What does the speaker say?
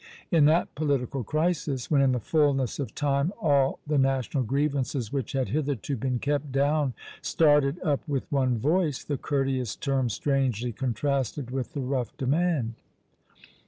In that political crisis, when in the fulness of time all the national grievances which had hitherto been kept down started up with one voice, the courteous term strangely contrasted with the rough demand.